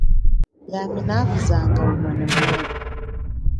Yami nakuzanga umwenemwene.